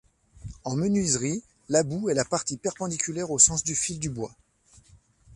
En menuiserie, l'about est la partie perpendiculaire au sens du fil du bois.